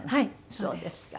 そうですか。